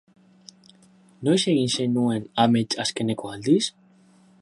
Noiz egin zenuen amets azkeneko aldiz?